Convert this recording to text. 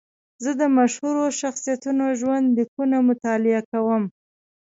زه د مشهورو شخصیتونو ژوند لیکونه مطالعه کوم.